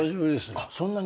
あっそんなに？